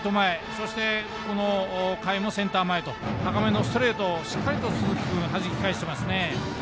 そして、この回もセンター前と高めのストレートをしっかりと鈴木君はじき返していますね。